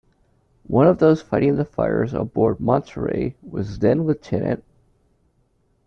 One of those fighting the fires aboard "Monterey" was then-Lt.